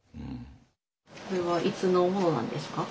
これはいつのものなんですか？